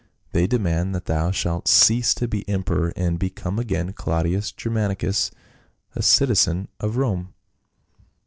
" They demand that thou shalt cease to be emperor, and become again Claudius Germanicus, a citizen of Rome."